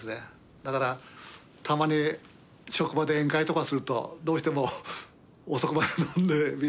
だからたまに職場で宴会とかするとどうしても遅くまで飲んでみんな。